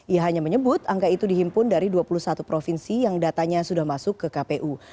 ia hanya menyebut angka itu dihimpun dari dua puluh satu provinsi yang datanya sudah masuk ke kpu